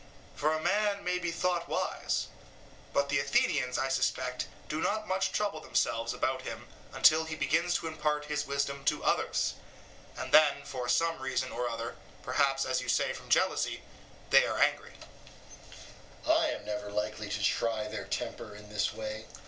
For a man may be thought wise; but the Athenians, I suspect, do not much trouble themselves about him until he begins to impart his wisdom to others, and then for some reason or other, perhaps, as you say, from jealousy, they are angry. EUTHYPHRO: I am never likely to try their temper in this way.